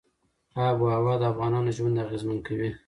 آب وهوا د افغانانو ژوند اغېزمن کوي.